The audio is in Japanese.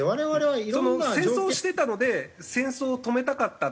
戦争をしてたので戦争を止めたかった。